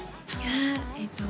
えっと